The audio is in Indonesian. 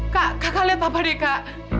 kak kakak lihat papa deh kak